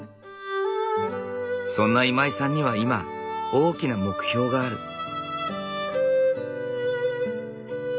そんな今井さんには今大きな目標がある。